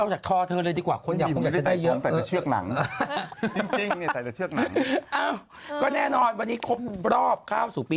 เหนือเกินหน้าเกินตาพี่